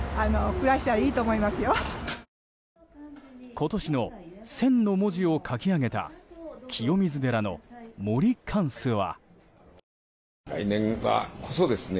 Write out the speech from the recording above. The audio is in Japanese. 今年の「戦」の文字を書き上げた清水寺の森貫主は。